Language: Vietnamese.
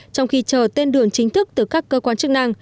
trong khi chờ tên đường chính thức từ các cơ quan chức năng